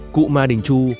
cụ ma đình chu